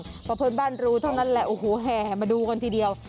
เพราะเพื่อนบ้านรู้เท่านั้นแหละโอ้โหแห่มาดูกันทีเดียว